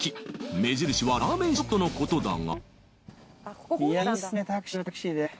目印はラーメンショップとのことだが。